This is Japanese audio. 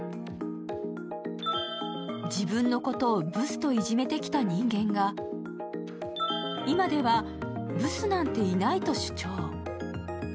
自分のことをブスといじめてきた人間が、今ではブスなんていないと主張。